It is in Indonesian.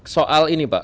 soal ini pak